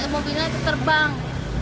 mobilnya itu terbang